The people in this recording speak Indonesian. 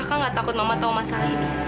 kakak nggak takut mama tahu masalah ini